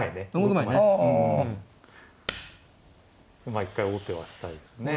まあ一回王手はしたいですね。